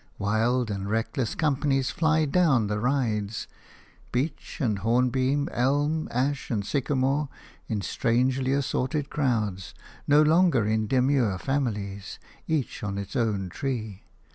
Wild and reckless companies fly down the rides, beech and hornbeam, elm, ash and sycamore, in strangely assorted crowds – no longer in demure families, each on its own tree.